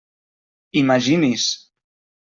Imagini's!